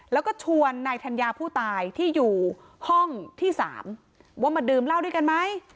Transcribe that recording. แล้วก็ชวนนายธัญญาผู้ตายที่อยู่ห้องที่๓ว่ามาดื่มเหล้าด้วยกันไหม